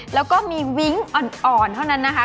แล้วก็มีวิ้งอ่อนเท่านั้นนะคะ